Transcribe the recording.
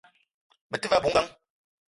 Me te ve a bou ngang